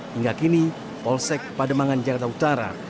hingga kini polsek pademangan jakarta utara